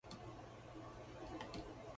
ばちかん